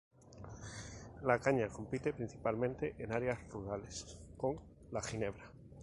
La caña compite, principalmente en áreas rurales, con la ginebra.